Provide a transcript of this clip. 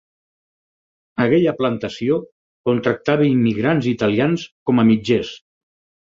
Aquella plantació contractava immigrants italians com a mitgers.